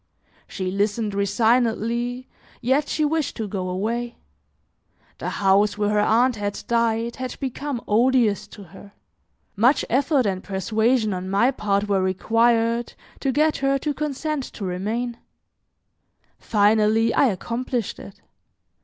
She listened resignedly, yet she wished to go away; the house where her aunt had died had become odious to her, much effort and persuasion on my part were required to get her to consent to remain; finally, I accomplished it.